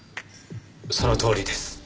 そのとおりです。